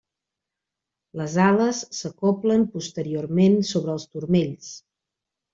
Les ales s'acoblen posteriorment sobre els turmells.